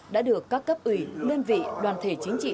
đã được các cấp ủy đơn vị đoàn thể chính trị